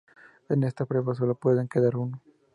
En esta prueba solo puede quedar uno.